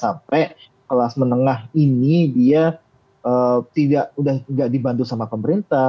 sampai kelas menengah ini dia tidak dibantu sama pemerintah